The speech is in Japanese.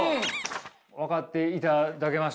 分かっていただけました？